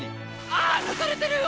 あーっ抜かれてるよ